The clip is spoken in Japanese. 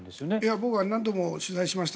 僕は何度も取材しました。